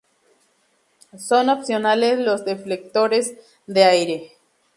Son opcionales los deflectores de aire.